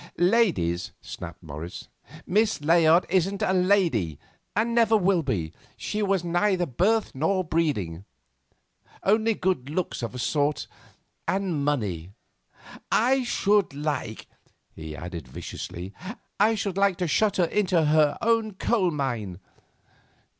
"Ladies!" snapped Morris. "Miss Layard isn't a lady, and never will be; she has neither birth nor breeding, only good looks of a sort and money. I should like," he added, viciously—"I should like to shut her into her own coal mine."